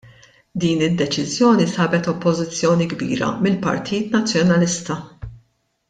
Din id-deċiżjoni sabet oppożizzjoni kbira mill-Partit Nazzjonalista.